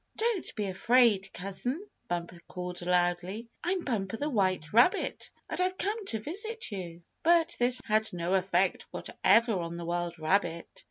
"Don't be afraid, Cousin!" Bumper called loudly. "I'm Bumper the White Rabbit, and I've come to visit you!" But this had no effect whatever on the wild rabbit.